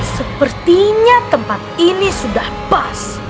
sepertinya tempat ini sudah pas